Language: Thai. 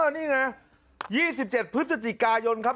นี่ไง๒๗พฤศจิกายนครับ